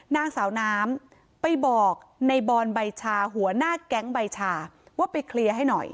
นางสาวน้ำไปบอกในบอนใบชาหัวหน้าแก๊งใบชาว่าไปเคลียร์ให้หน่อย